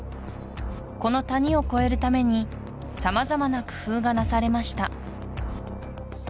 この谷を越えるために様々な工夫がなされました